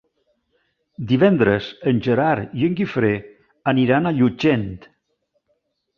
Divendres en Gerard i en Guifré aniran a Llutxent.